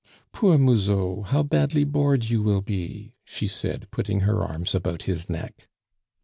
"Poor Musot, how badly bored you will be!" she said, putting her arms about his neck.